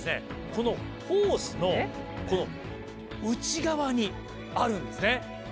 このホースのこの内側にあるんですね。